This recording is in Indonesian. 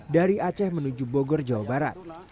dari aceh menuju bogor jawa barat